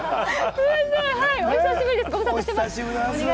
お久しぶりです。